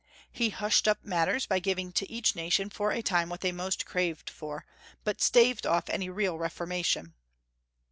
He hushed up mat ters by giving to each nation for a time what they most craved for, but staved off any real reforma tion.